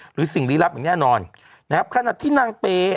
หรือสิ่งรีรับอย่างแน่นอนขณะที่นางเปย์